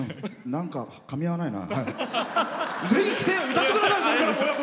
なんかかみ合わないな。